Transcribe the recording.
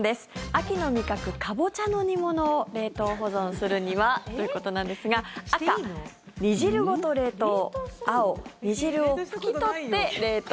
秋の味覚、カボチャの煮物を冷凍保存するにはということなんですが赤、煮汁ごと冷凍青、煮汁を拭き取って冷凍。